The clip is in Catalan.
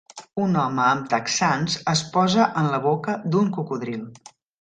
Un home amb texans es posa en la boca d'un cocodril.